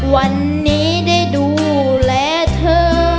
วันนี้ได้ดูแลเธอ